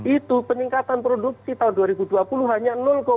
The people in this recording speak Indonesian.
itu peningkatan produksi tahun dua ribu dua puluh hanya sembilan